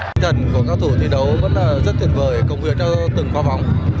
tinh thần của các cầu thủ thi đấu vẫn rất tuyệt vời công việc đã từng phá bóng